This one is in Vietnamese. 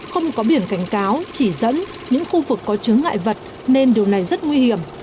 không có biển cảnh cáo chỉ dẫn những khu vực có chứa ngại vật nên điều này rất nguy hiểm